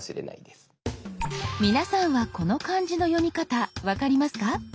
皆さんはこの漢字の読み方分かりますか？